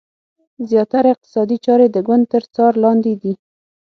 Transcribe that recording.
زیاتره اقتصادي چارې د ګوند تر څار لاندې دي.